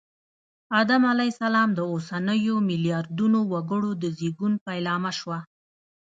آدم علیه السلام د اوسنیو ملیاردونو وګړو د زېږون پیلامه شوه